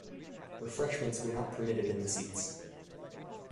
Refreshments were not permitted in the seats.